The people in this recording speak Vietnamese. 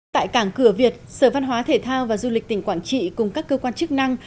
tại cảng cửa việt sở văn hóa thể thao và du lịch tỉnh quảng trị cùng các cơ quan chức năng